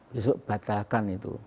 besok batalkan itu